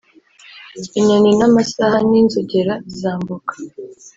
inyoni n'amasaha n'inzogera zambuka